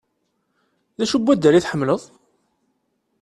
D acu n waddal i tḥemmleḍ?